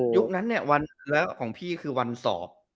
ยุคนั้นเนี่ยแล้วของพี่คือวันสอบ